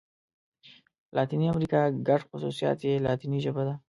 لاتیني امريکا ګډ خوصوصیات یې لاتيني ژبه ده.